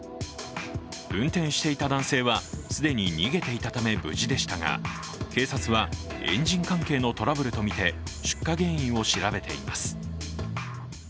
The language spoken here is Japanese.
運転していた男性は既に逃げていたため無事でしたが警察はエンジン関係のトラブルとみて出火原因を調べています。